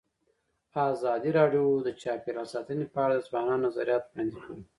ازادي راډیو د چاپیریال ساتنه په اړه د ځوانانو نظریات وړاندې کړي.